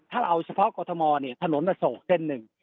ถ้าเอาเฉพาะกรทมเนี่ยถนนอโศกเส้นหนึ่ง